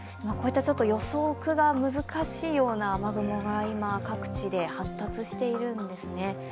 予測が難しいような雨雲が今各地で発達しているんですね。